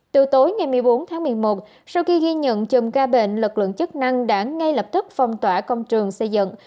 từ tối ngày một mươi bốn tháng một mươi một sau khi ghi nhận chùm ca bệnh lực lượng chức năng đã ngay lập tức phong tỏa công trường xây dựng